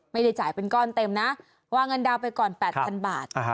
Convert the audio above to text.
ไม่ได้จ่ายเป็นก้อนเต็มนะวางเงินดาวนไปก่อน๘๐๐๐บาท